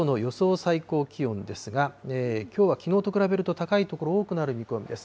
最高気温ですが、きょうはきのうと比べると高い所、多くなる見込みです。